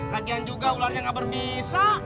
lagian juga ularnya nggak berbisa